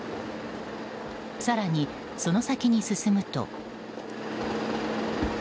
更にその先に進むと。